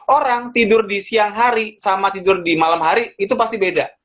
orang tidur di siang hari sama tidur di malam hari itu pasti beda